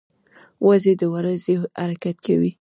وزې د ورځي حرکت کوي